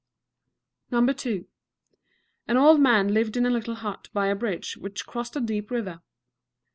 No. II. An old man lived in a little hut by a bridge which crossed a deep river.